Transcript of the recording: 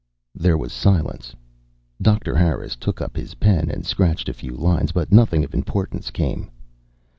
There was silence. Doctor Harris took up his pen and scratched a few lines, but nothing of importance came.